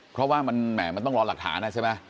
เพราะว่ามันแหม่มันต้องรอหลักฐานนะใช่ไหม